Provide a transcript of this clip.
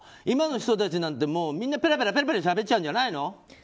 今の人たちなんてみんなペラペラしゃべっちゃうんじゃないの？